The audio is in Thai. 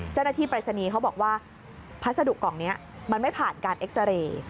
เจ้าหน้าที่ปรัศนีเขาบอกว่าพัสดุกล่องเนี่ยมันไม่ผ่านการเอ็กซาเรย์